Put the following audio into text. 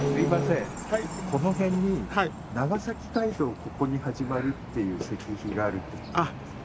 ここに始まる」っていう石碑があるって聞いたんですけど。